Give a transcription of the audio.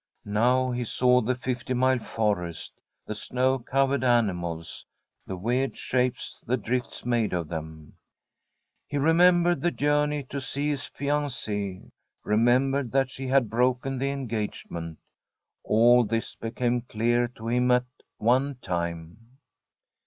Now he saw the Fifty Mile Forest, the snow covered animals, the weird shapes, the drifts made of them. He remembered the journey to see his fiancee, remembered that she had broken the engagement. All this became clear to him at one time.